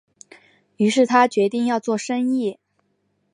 於是他决定要做生意